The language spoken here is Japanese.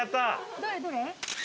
どれどれ？